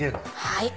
はい。